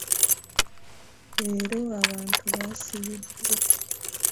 Leero abatu baasibiddwa.